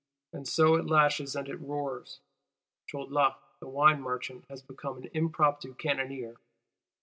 And so it lashes and it roars. Cholat the wine merchant has become an impromptu cannoneer.